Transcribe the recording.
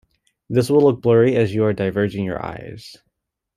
This will look blurry as you are "diverging" your eyes.